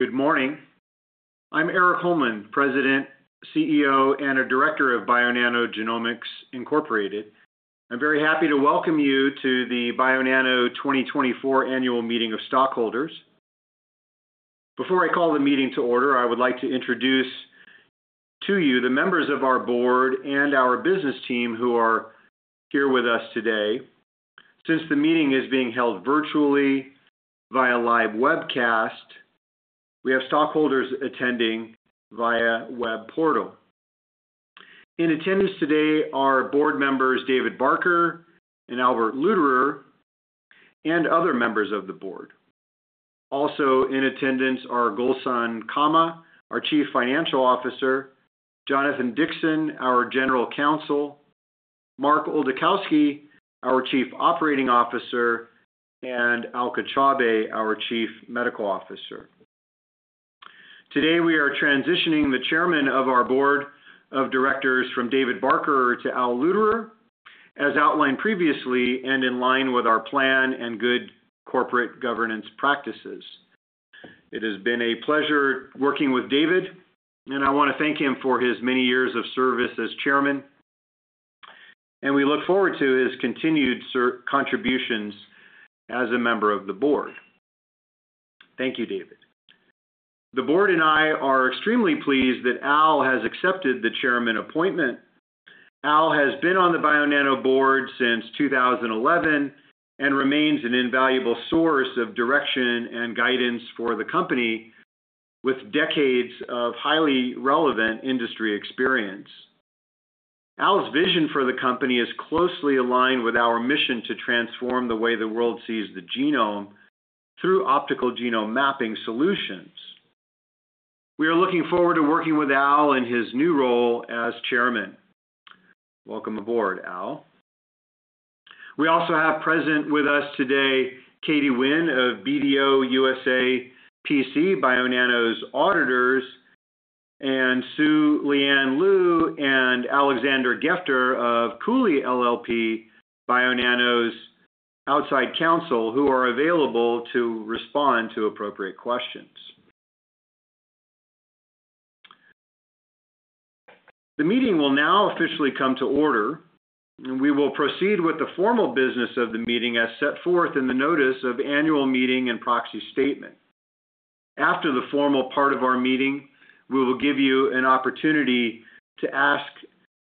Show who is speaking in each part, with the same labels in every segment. Speaker 1: Good morning. I'm Erik Holmlin, President, CEO, and a Director of Bionano Genomics Incorporated. I'm very happy to welcome you to the Bionano 2024 Annual Meeting of Stockholders. Before I call the meeting to order, I would like to introduce to you the members of our board and our business team who are here with us today. Since the meeting is being held virtually via live webcast, we have stockholders attending via web portal. In attendance today are board members David Barker, and Albert Luderer, and other members of the board. Also in attendance are Gülsen Kama, our Chief Financial Officer, Jonathan Dixon, our General Counsel, Mark Oldakowski, our Chief Operating Officer, and Alka Chaubey, our Chief Medical Officer. Today we are transitioning the Chairman of our Board of Directors from David Barker to Al Luderer, as outlined previously and in line with our plan and good corporate governance practices. It has been a pleasure working with David, and I want to thank him for his many years of service as Chairman, and we look forward to his continued contributions as a member of the board. Thank you, David. The board and I are extremely pleased that Al has accepted the Chairman appointment. Al has been on the Bionano board since 2011 and remains an invaluable source of direction and guidance for the company, with decades of highly relevant industry experience. Al's vision for the company is closely aligned with our mission to transform the way the world sees the genome through optical genome mapping solutions. We are looking forward to working with Al in his new role as Chairman. Welcome aboard, Al. We also have present with us today Katie Wynn of BDO USA, P.C., Bionano's auditors, and Su Lian Lu and Alexander Gefter of Cooley LLP, Bionano's outside counsel, who are available to respond to appropriate questions. The meeting will now officially come to order, and we will proceed with the formal business of the meeting as set forth in the Notice of Annual Meeting and Proxy Statement. After the formal part of our meeting, we will give you an opportunity to ask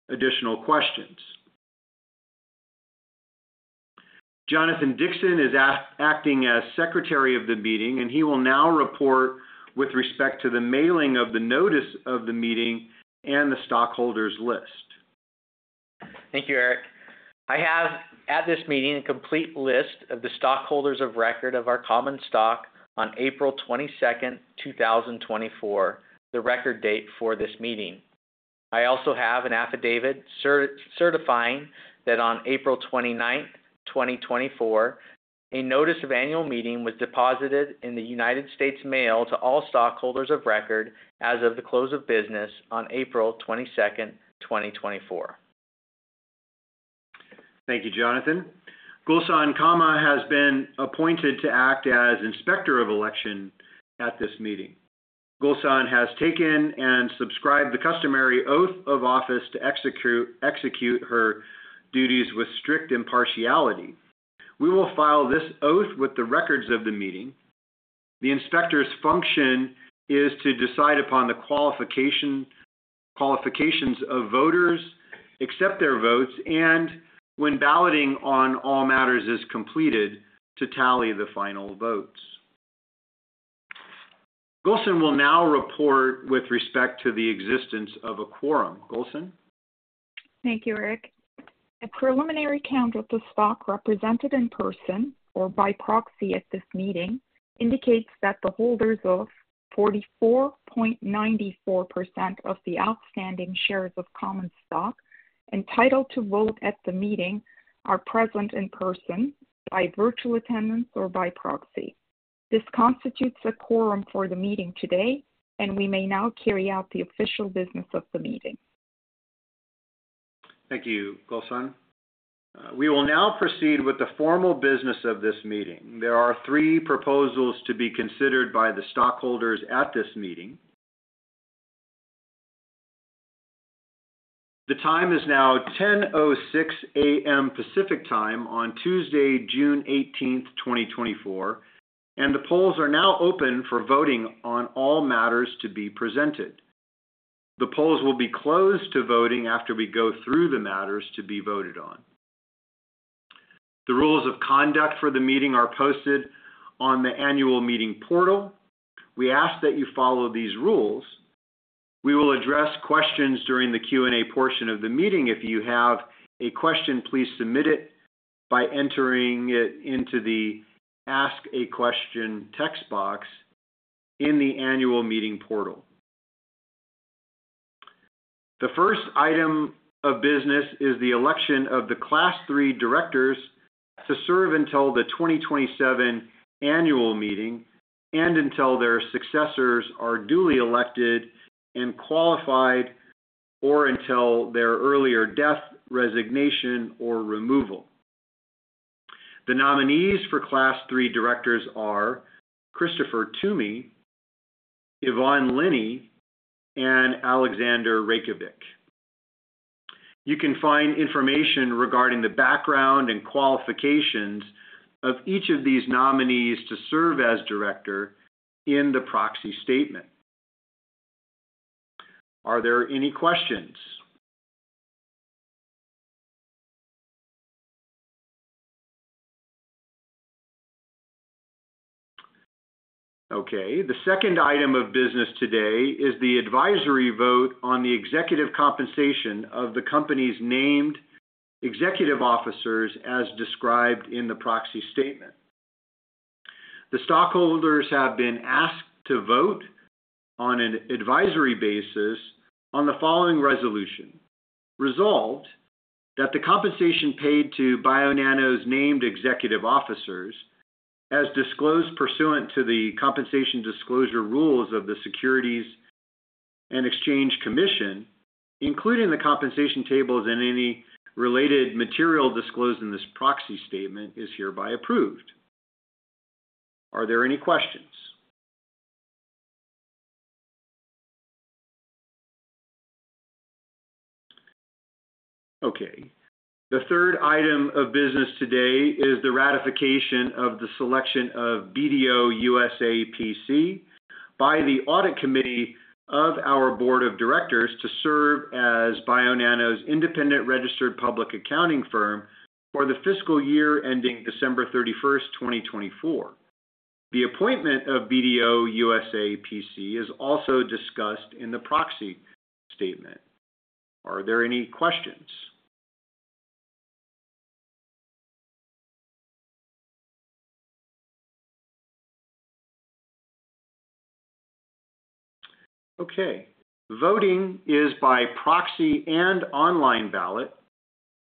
Speaker 1: additional questions. Jonathan Dixon is acting as Secretary of the meeting, and he will now report with respect to the mailing of the Notice of the meeting and the stockholders' list.
Speaker 2: Thank you, Erik. I have at this meeting a complete list of the stockholders of record of our common stock on April 22nd, 2024, the record date for this meeting. I also have an affidavit certifying that on April 29th, 2024, a Notice of Annual Meeting was deposited in the United States Mail to all stockholders of record as of the close of business on April 22nd, 2024.
Speaker 1: Thank you, Jonathan. Gülsen Kama has been appointed to act as Inspector of Election at this meeting. Gülsen has taken and subscribed the customary oath of office to execute her duties with strict impartiality. We will file this oath with the records of the meeting. The inspector's function is to decide upon the qualifications of voters, accept their votes, and when balloting on all matters is completed, to tally the final votes. Gülsen will now report with respect to the existence of a quorum. Gülsen.
Speaker 3: Thank you, Erik. A preliminary count of the stock represented in person or by proxy at this meeting indicates that the holders of 44.94% of the outstanding shares of common stock entitled to vote at the meeting are present in person, by virtual attendance, or by proxy. This constitutes a quorum for the meeting today, and we may now carry out the official business of the meeting.
Speaker 1: Thank you, Gülsen. We will now proceed with the formal business of this meeting. There are three proposals to be considered by the stockholders at this meeting. The time is now 10:06 A.M. Pacific Time on Tuesday, June 18th, 2024, and the polls are now open for voting on all matters to be presented. The polls will be closed to voting after we go through the matters to be voted on. The rules of conduct for the meeting are posted on the Annual Meeting portal. We ask that you follow these rules. We will address questions during the Q&A portion of the meeting. If you have a question, please submit it by entering it into the Ask a Question text box in the Annual Meeting portal. The first item of business is the election of the Class 3 Directors to serve until the 2027 Annual Meeting and until their successors are duly elected and qualified, or until their earlier death, resignation, or removal. The nominees for Class 3 Directors are Christopher Twomey, Yvonne Linney, and Aleksander Rajkovic. You can find information regarding the background and qualifications of each of these nominees to serve as director in the Proxy Statement. Are there any questions? Okay. The second item of business today is the advisory vote on the executive compensation of the company's named executive officers as described in the Proxy Statement. The stockholders have been asked to vote on an advisory basis on the following resolution: Resolved that the compensation paid to Bionano's named executive officers, as disclosed pursuant to the compensation disclosure rules of the Securities and Exchange Commission, including the compensation tables and any related material disclosed in this Proxy Statement, is hereby approved. Are there any questions? Okay. The third item of business today is the ratification of the selection of BDO USA, P.C. by the Audit Committee of our Board of Directors to serve as Bionano's independent registered public accounting firm for the fiscal year ending December 31st, 2024. The appointment of BDO USA, P.C. is also discussed in the Proxy Statement. Are there any questions? Okay. Voting is by proxy and online ballot.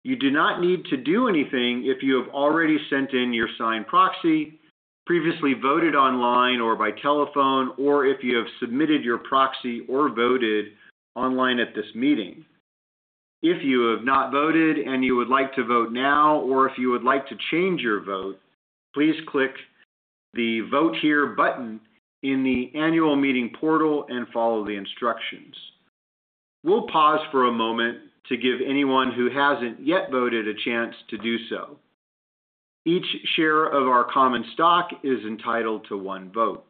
Speaker 1: You do not need to do anything if you have already sent in your signed proxy, previously voted online or by telephone, or if you have submitted your proxy or voted online at this meeting. If you have not voted and you would like to vote now, or if you would like to change your vote, please click the Vote Here button in the Annual Meeting portal and follow the instructions. We'll pause for a moment to give anyone who hasn't yet voted a chance to do so. Each share of our common stock is entitled to one vote.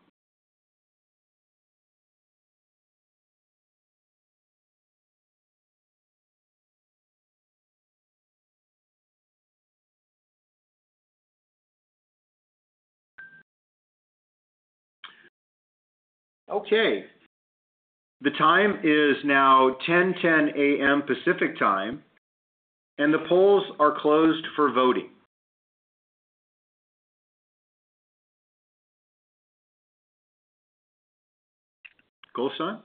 Speaker 1: Okay. The time is now 10:10 A.M. Pacific Time, and the polls are closed for voting. Gülsen?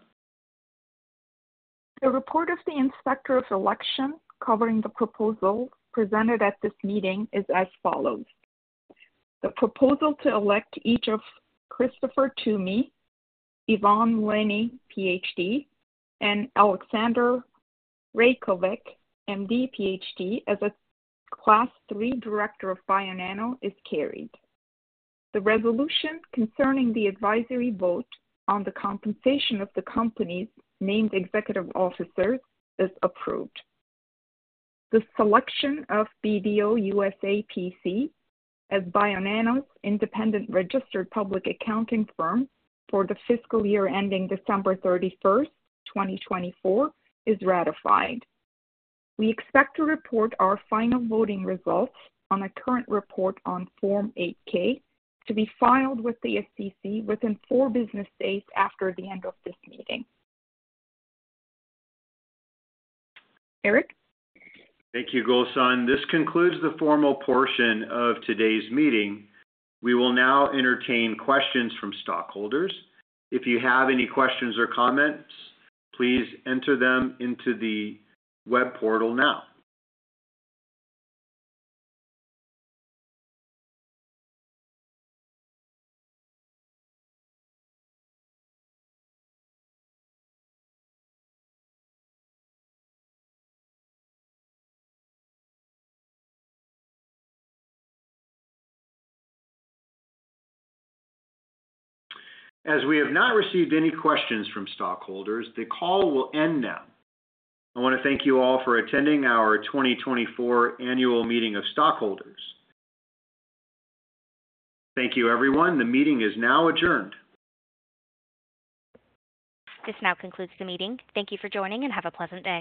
Speaker 3: The report of the Inspector of Election covering the proposal presented at this meeting is as follows. The proposal to elect each of Christopher Twomey, Yvonne Linney, Ph.D., and Aleksander Rajkovic, M.D., Ph.D., as a Class 3 Director of Bionano is carried. The resolution concerning the advisory vote on the compensation of the company's named executive officers is approved. The selection of BDO USA, P.C. as Bionano's independent registered public accounting firm for the fiscal year ending December 31st, 2024, is ratified. We expect to report our final voting results on a current report on Form 8-K to be filed with the SEC within four business days after the end of this meeting. Erik.
Speaker 1: Thank you, Gülsen. This concludes the formal portion of today's meeting. We will now entertain questions from stockholders. If you have any questions or comments, please enter them into the web portal now. As we have not received any questions from stockholders, the call will end now. I want to thank you all for attending our 2024 Annual Meeting of Stockholders. Thank you, everyone. The meeting is now adjourned.
Speaker 4: This now concludes the meeting. Thank you for joining and have a pleasant day.